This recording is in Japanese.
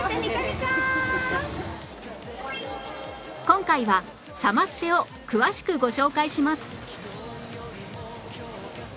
今回はサマステを詳しくご紹介します